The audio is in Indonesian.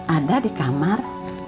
ada di kamar